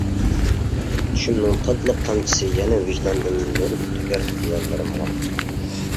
چۈشۈمنىڭ تاتلىق تامچىسى يەنە، ۋىجداندىن نۇر تۆكەر خىياللىرىمغا.